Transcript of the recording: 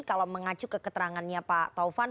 kalau mengacu ke keterangannya pak taufan